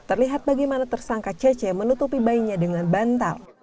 terlihat bagaimana tersangka cece menutupi bayinya dengan bantal